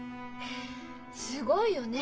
すごいよね。